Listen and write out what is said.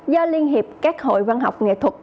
do liên hiệp các hội văn học nghệ thuật